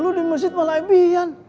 lo di masjid malah fb an